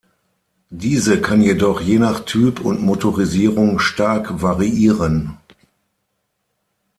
Diese kann jedoch je nach Typ und Motorisierung stark variieren.